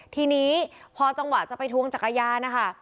ทีนี้พอจังหวะจะไปทวงจักรยานนะคะ